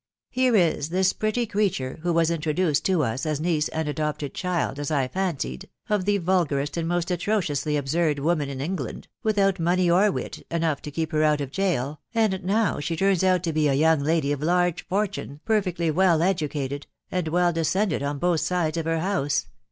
" Here is this pretty creature, who was introduced to us as niece and adopted child, as I fancied, of the vulgarest and most atrociously absurd woman in England, without money or wit enough to keep her oat of jail, and now she turns out to be a young lady of large fortune, perfectly well educated, and well descended on both sides of her house